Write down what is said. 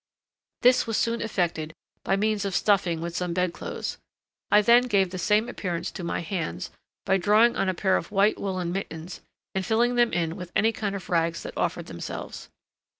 This was soon effected by means of stuffing with some bedclothes. I then gave the same appearance to my hands by drawing on a pair of white woollen mittens, and filling them in with any kind of rags that offered themselves.